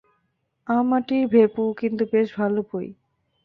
আম-আঁটির ভেঁপু কিন্তু বেশ ভালো বই।